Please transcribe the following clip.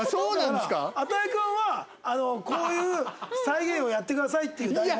だから與君はこういう再現をやってくださいっていう台本を。